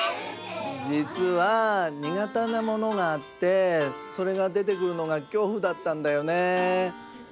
じつはにがてなものがあってそれがでてくるのが恐怖だったんだよね。